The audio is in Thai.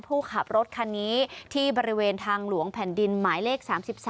ผู้ขับรถคันนี้ที่บริเวณทางหลวงแผ่นดินหมายเลข๓๓